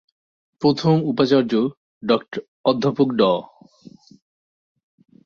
প্রথম উপাচার্য অধ্যাপক ড।